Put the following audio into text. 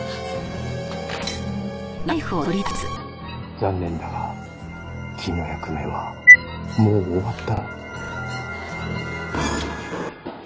残念だが君の役目はもう終わった。